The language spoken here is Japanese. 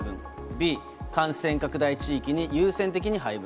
Ｂ、感染拡大地域に優先的に配分。